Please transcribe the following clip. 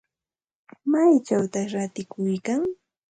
¿Maychawta ratikuykan?